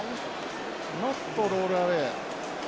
ノットロールアウェイ。